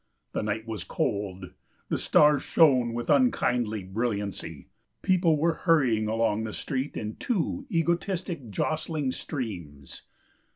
The night was cold; the stars shone with unkindly brilliancy; people were hurrying along the streets in two egotistic, jostling streams.